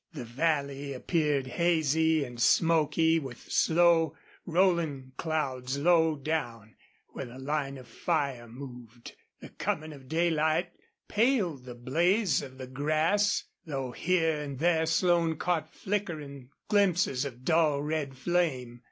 The valley appeared hazy and smoky, with slow, rolling clouds low down where the line of fire moved. The coming of daylight paled the blaze of the grass, though here and there Slone caught flickering glimpses of dull red flame.